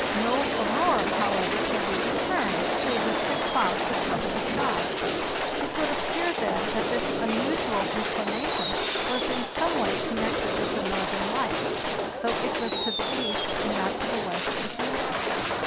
No aurora, however, could be discerned through the thick clouds that covered the sky. It would appear, then, that this unusual inclination was in some way connected with the northern lights, though it was to the east and not to the west, as usual.